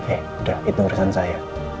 eh udah itu urusan saya